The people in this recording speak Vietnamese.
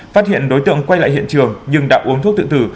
phát hiện đối tượng quay lại hiện trường nhưng đã uống thuốc tự tử